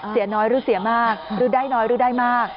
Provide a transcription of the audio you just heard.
เสียน้อยหรือเสียมากหรือได้น้อยหรือได้มาก